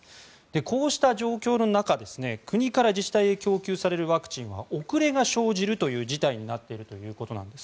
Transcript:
こうした状況の中国から自治体に供給されるワクチンは遅れが生じるという事態になっているということです。